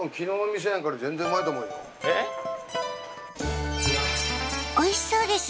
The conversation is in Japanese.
えっ⁉おいしそうです。